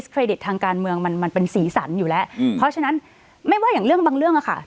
เรดิตทางการเมืองมันมันเป็นสีสันอยู่แล้วอืมเพราะฉะนั้นไม่ว่าอย่างเรื่องบางเรื่องอะค่ะ